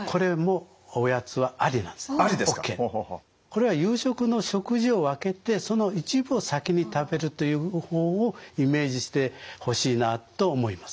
これは夕食の食事を分けてその一部を先に食べるという方法をイメージしてほしいなと思いますね。